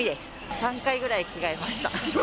３回ぐらい着がえました。